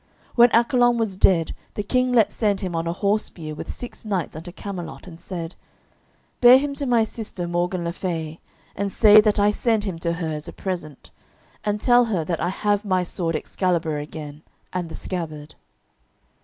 When Accolon was dead the King let send him on a horse bier with six knights unto Camelot and said, "Bear him to my sister Morgan le Fay, and say that I send him to her as a present, and tell her that I have my sword Excalibur again and the scabbard."